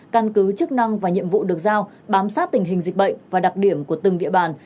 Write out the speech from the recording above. căn cứ chức năng và nhiệm vụ được giao bám sát tình hình dịch bệnh và đặc điểm của từng địa bàn